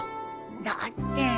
だって。